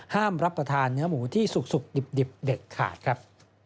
รับประทานเนื้อหมูที่สุกดิบเด็ดขาดครับ